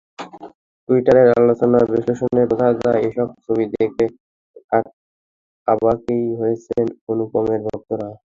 টুইটারের আলোচনা বিশ্লেষণে বোঝা যায়, এসব ছবি দেখে অবাকই হয়েছেন অনুপমের ভক্তরা।